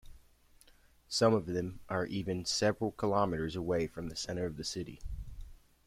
Some of them are even several kilometers away from the center of the city.